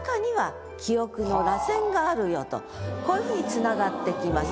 こういうふうにつながってきます。